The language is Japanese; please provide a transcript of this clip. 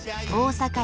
大阪